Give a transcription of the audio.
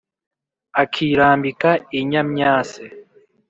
akirambika i nyamyase!